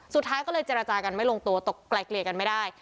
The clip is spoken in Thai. สุดท้ายก็เลยเจรจากันไม่ลงตัวตกไกลเกลี่ยกันไม่ได้